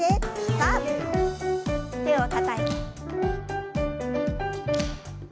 さあ手をたたいて。